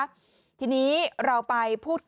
ทีนี้เดี๋ยวเราไปพูดมา